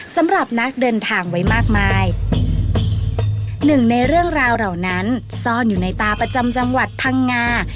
สำหรับนักเดินทางไว้มากมายหนึ่งในเรื่องราวเหล่านั้นซ่อนอยู่ในตาประจำจังหวัดพังงา